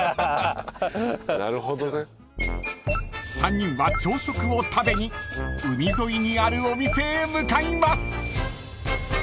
［３人は朝食を食べに海沿いにあるお店へ向かいます］